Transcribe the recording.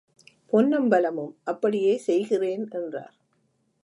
பொன்னம்பலமும், அப்படியே செய்கிறேன்! என்றார்.